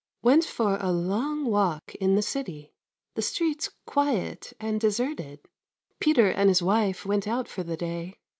Went for a long walk in the city. The streets quiet and deserted. Peter and his wife went out for the day.